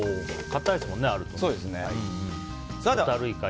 硬いですもんね、あると。